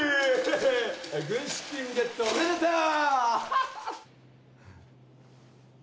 軍資金ゲットおめでとう！